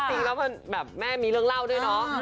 แซวนะคะแต่ว่าจริงแล้วแม่มีเรื่องเล่าด้วยเนอะ